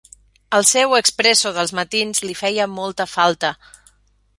El seu expresso dels matins li feia molta falta.